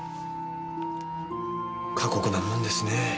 過酷なもんですね。